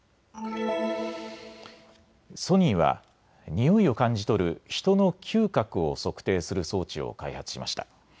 ソニーはにおいを感じ取る人の嗅覚を測定する装置を開発しました。